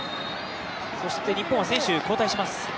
そして日本は選手交代します。